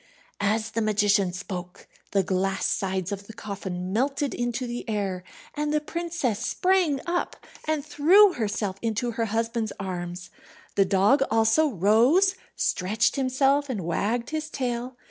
As the magician spoke the glass sides of the coffin melted into the air, and the princess sprang up, and threw herself into her husband's arms. The dog also rose, stretched himself, and wagged his tail.